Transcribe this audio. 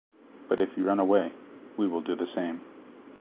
But if you run away, we will do the same.